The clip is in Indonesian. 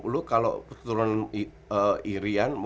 lo kalau keturunan irian